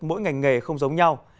mỗi ngành nghề không giống nhau